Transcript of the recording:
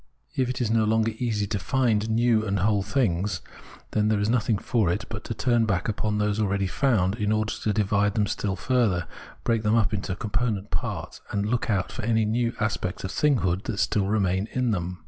If it is no longer easy to find new and whole things, then there is nothing for it but to turn back upon those already found, in order to divide them still further, break them up into com ponent parts and look out for any new aspects of thing hood that still remain in them.